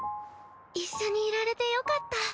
一緒にいられてよかった。